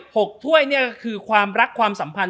หกถ้วยเนี่ยก็คือความรักความสัมพันธ